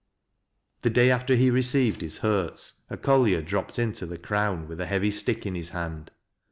The day after he received his hurts a collier dropped into " The Crown " with a heavy stick in his hand.